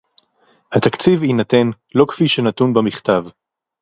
התקציב יינתן לא כפי שנתון במכתב